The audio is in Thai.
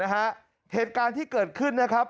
เหตุการณ์ที่เกิดขึ้นนะครับ